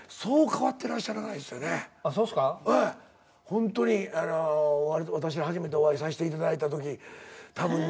ホントに私が初めてお会いさせていただいたときたぶん。